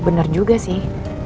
ya bener juga sih